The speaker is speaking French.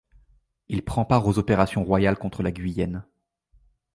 Il prend part aux opérations royales contre la Guyenne.